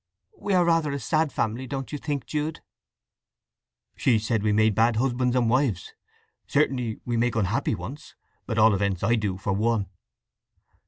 "We are rather a sad family, don't you think, Jude?" "She said we made bad husbands and wives. Certainly we make unhappy ones. At all events, I do, for one!"